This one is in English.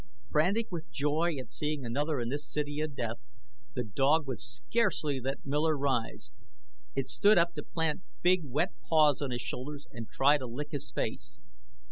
Frantic with joy at seeing another in this city of death, the dog would scarcely let Miller rise. It stood up to plant big paws on his shoulders and try to lick his face.